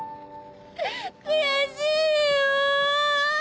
悔しいよぉ！